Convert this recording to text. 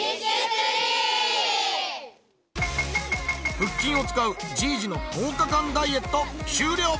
腹筋を使うじいじの１０日間ダイエット終了！